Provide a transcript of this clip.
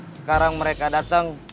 sekarang mereka dateng